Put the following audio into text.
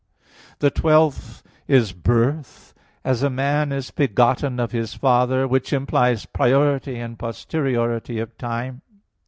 The twelfth is birth, as a man is begotten of his father; which implies priority and posteriority of time.